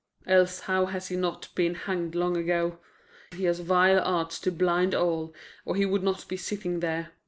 Else how has he not been hanged long ago? He has vile arts to blind all, or he would not be sitting there.